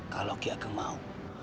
kalau ki ageng mau